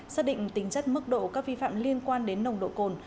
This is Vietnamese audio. xác định tính chất mức độ các vi phạm liên quan đến nồng độ cồn